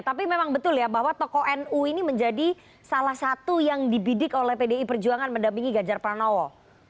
tapi memang betul ya bahwa tokoh nu ini menjadi salah satu yang dibidik oleh pdi perjuangan mendampingi ganjar pranowo